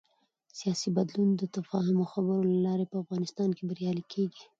سیاسي بدلون د تفاهم او خبرو له لارې په افغانستان کې بریالی کېږي